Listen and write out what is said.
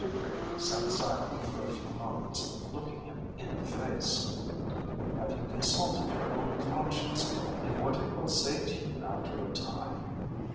Mr. Gray sat silent for a few moments, looking him in the face. "Have you consulted your own conscience, and what it will say to you after a time?